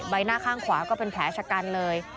ใบหน้าข้างขวาก็เป็นแผลชะกันเลย